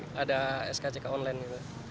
saya sudah skck online